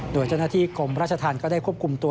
โดยเจ้าหน้าที่กรมราชธรรมก็ได้ควบคุมตัว